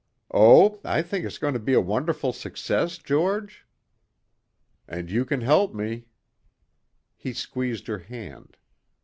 "Oh, I think it's going to be a wonderful success, George?" "And you can help me." He squeezed her hand.